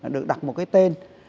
được đặt một cái tên